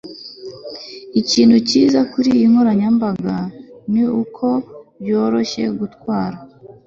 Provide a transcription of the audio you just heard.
ikintu cyiza kuriyi nkoranyamagambo ni uko byoroshye gutwara